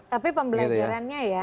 tapi pembelajarannya ya